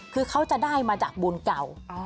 คือเขาจะได้มาจากบุญเก่า